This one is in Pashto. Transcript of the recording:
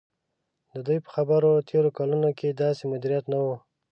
د دوی په خبره تېرو کلونو کې داسې مدیریت نه و.